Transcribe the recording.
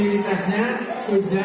ini elektabilitasnya sudah going down